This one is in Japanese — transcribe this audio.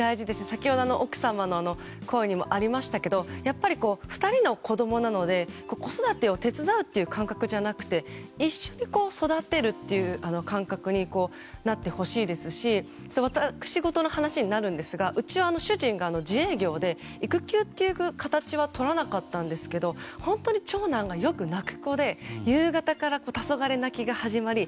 先ほど奥様の声にもありましたがやっぱり２人の子供なので子育てを手伝うという感覚じゃなく一緒に育てるという感覚になってほしいですし私ごとの話になるんですがうちは主人が自営業で、育休という形はとらなかったんですけど本当に長男がよく泣く子で夕方から、たそがれ泣きが始まり